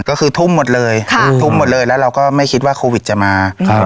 ก็คือทุ่มหมดเลยทุ่มหมดเลยแล้วเราก็ไม่คิดว่าโควิดจะมา